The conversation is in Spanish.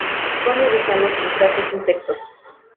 Come gusanos, crustáceos, insectos.